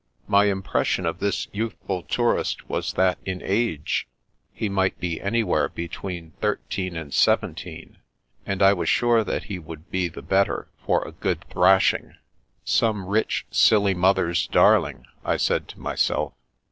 My impression of this youthful tourist was that in age he might be any I04 The Princess Passes where between thirteen and seventeen, and I was sure that he would be the better for a good thrashing. " Some rich, silly mother's darling," I said to myself.